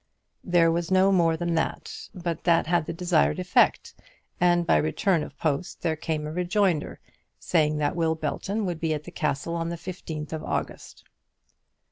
There was no more than that, but that had the desired effect; and by return of post there came a rejoinder, saying that Will Belton would be at the Castle on the fifteenth of August.